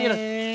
ini ada lagi